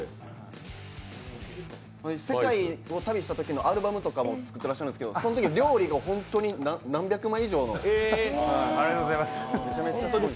世界を旅したときのアルバムとかも作っていらっしゃるんですけどそのとき料理の本当に何百枚以上めちゃめちゃすごいです。